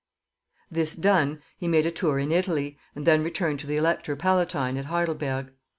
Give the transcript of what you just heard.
This done, he made a tour in Italy, and then returned to the elector palatine at Heidelberg.